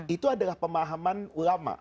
itu adalah pemahaman ulama